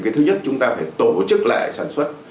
cái thứ nhất chúng ta phải tổ chức lại sản xuất